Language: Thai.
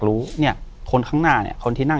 อยู่ที่แม่ศรีวิรัยยิวยวลครับ